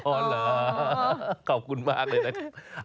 อ๋อเหรอขอบคุณมากเลยนะคะ